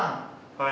はい。